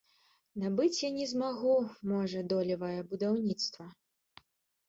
Набыць я не змагу, можа, долевае будаўніцтва.